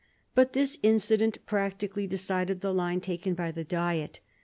But this incident practically decided the line taken by the Diet.